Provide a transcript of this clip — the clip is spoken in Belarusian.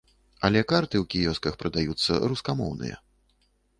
Але карты ў кіёсках прадаюцца рускамоўныя.